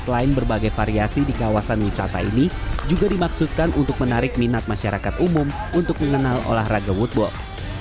selain berbagai variasi di kawasan wisata ini juga dimaksudkan untuk menarik minat masyarakat umum untuk mengenal olahraga woodball